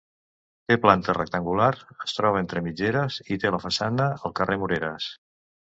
Té planta rectangular, es troba entre mitgeres i té la façana al carrer Moreres.